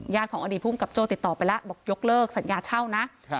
ของอดีตภูมิกับโจ้ติดต่อไปแล้วบอกยกเลิกสัญญาเช่านะ